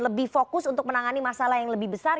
lebih fokus untuk menangani masalah yang lebih besar